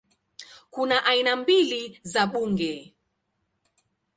Kuna aina mbili za bunge